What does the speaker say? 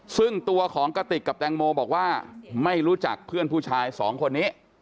ซึ่งตัวของกติกกับแตงโมบอกว่าไม่รู้จักเพื่อนผู้ชายสองคนนี้